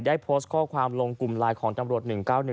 ได้โพสต์ข้อความลงกลุ่มไลน์ของตำรวจ๑๙๑